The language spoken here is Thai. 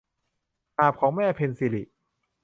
หาบของแม่ - เพ็ญศิริ